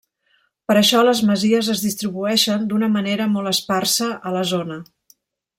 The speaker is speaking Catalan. Per això les masies es distribueixen d'una manera molt esparsa a la zona.